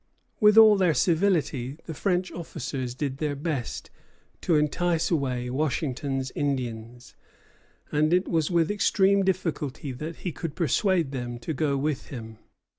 With all their civility, the French officers did their best to entice away Washington's Indians; and it was with extreme difficulty that he could persuade them to go with him.